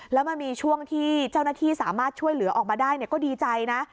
แล้วมันมีช่วงที่เจ้าหน้าที่สามารถช่วยเหลือออกมาได้ก็ดีใจนะ